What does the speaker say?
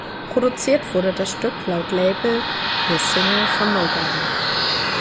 Produziert wurde das Stück laut Label der Single von "Nobody".